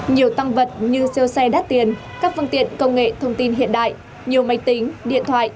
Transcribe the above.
nhiều tăng vật như siêu xe đắt tiền các phương tiện công nghệ thông tin hiện đại nhiều máy tính điện thoại